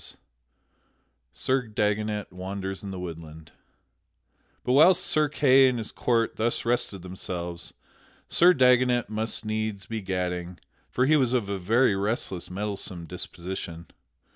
[Sidenote: Sir Dagonet wanders in the woodland] But whilst Sir Kay and his court thus rested themselves, Sir Dagonet must needs be gadding, for he was of a very restless, meddlesome disposition.